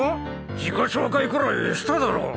自己紹介くらいしただろ？